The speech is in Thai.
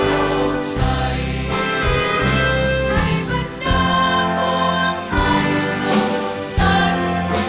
ขอบความจากฝ่าให้บรรดาดวงคันสุขสิทธิ์